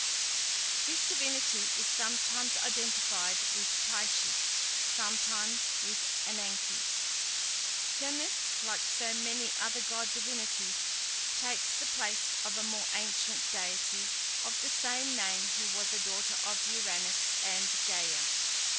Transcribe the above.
This divinity is sometimes identified with Tyche, sometimes with Ananke. Themis, like so many other Greek divinities, takes the place of a more ancient deity of the same name who was a daughter of Uranus and Gæa.